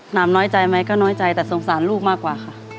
น้ำน้อยใจไหมก็น้อยใจแต่สงสารลูกมากกว่าค่ะ